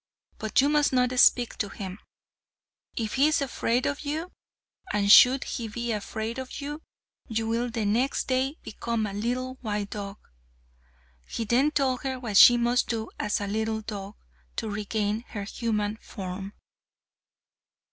But you must not speak to him, if he is afraid of you; and should he be afraid of you, you will the next day become a little white dog." He then told her what she must do as a little dog to regain her human form.